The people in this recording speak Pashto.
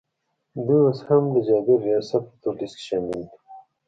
دوی اوس هم د جابر ریاست په تور لیست کي شامل دي